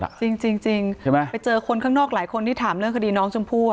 ไปเจอคนข้างนอกหลายคนที่ถามเรื่องคดีน้องชมพู